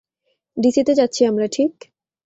ডিসিতে যাচ্ছি আমরা, ঠিক?